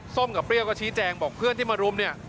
กับเปรี้ยวก็ชี้แจงบอกเพื่อนที่มารุมเนี่ย